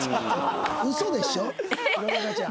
ウソでしょ弘中ちゃん。